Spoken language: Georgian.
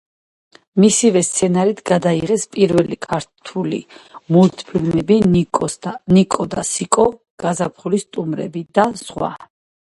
მისივე სცენარით გადაიღეს პირველი ქართული მულტფილმები: „ნიკო და სიკო“, „გაზაფხულის სტუმრები“ და სხვა.